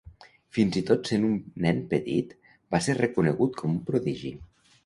Fins i tot sent un nen petit, va ser reconegut com un prodigi.